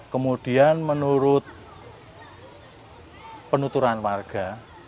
kemudian menurut penuturan warga